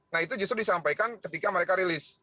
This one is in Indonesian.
nah itu justru disampaikan ketika mereka rilis